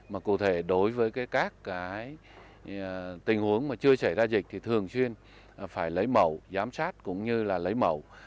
mà cụ thể đối với các tình huống chưa xảy ra dịch thì thường xuyên phải lấy mẫu giám sát cũng như lấy mẫu